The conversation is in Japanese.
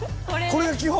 これが基本？